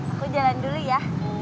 aku jalan dulu ya